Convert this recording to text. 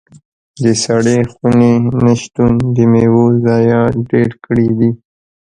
د سړې خونې نه شتون د میوو ضايعات ډېر کړي دي.